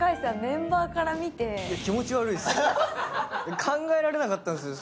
考えられなかったんですよ。